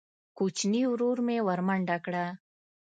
کوچیني ورور مې ورمنډه کړه.